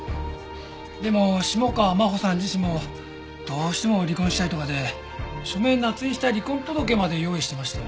でも下川真帆さん自身もどうしても離婚したいとかで署名捺印した離婚届まで用意していましたよ。